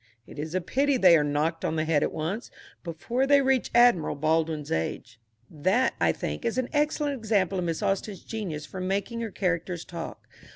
It is a pity they are not knocked on the head at once, before they reach Admiral Baldwin's age. That, I think, is an excellent example of Miss Austen's genius for making her characters talk.